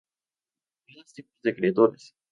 Hay más tipos de criaturas